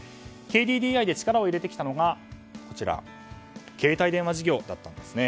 ＫＤＤＩで力を入れてきたのが携帯電話事業だったんですね。